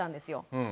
うん。